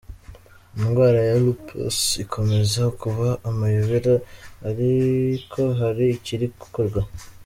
Indwara ya Lupus ikomeza kuba amayobera ariko hari ikiri gukorwa.